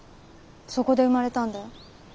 そこで生まれたんだよ。